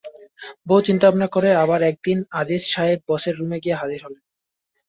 বহু চিন্তাভাবনা করে আবার একদিন আজিজ সাহেব বসের রুমে গিয়ে হাজির হলেন।